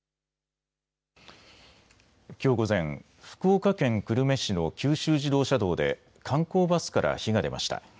きょう午前、福岡県久留米市の九州自動車道で観光バスから火が出ました。